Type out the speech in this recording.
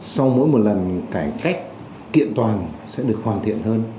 sau mỗi một lần cải cách kiện toàn sẽ được hoàn thiện hơn